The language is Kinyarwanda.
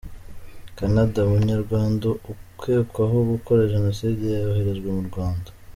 Canada:Umunyarwanda ukekwaho gukora Jenoside yoherejwe mu Rwanda.